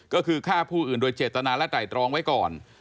ก็คือฆ่าผู้อื่นโดยเจตนาและไตรตรองไว้ก่อน